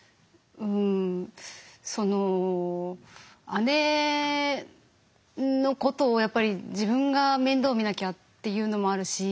姉のことをやっぱり自分が面倒見なきゃっていうのもあるし